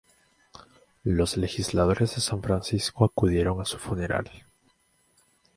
Los legisladores de San Francisco acudieron a su funeral.